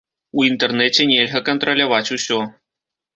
У інтэрнэце нельга кантраляваць усё.